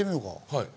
はい。